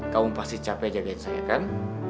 kamu pasti capek jagain saya kan